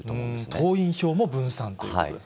党員票も分散ということです